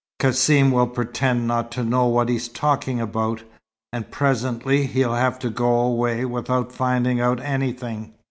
Cassim will pretend not to know what he's talking about. And presently he'll have to go away without finding out anything."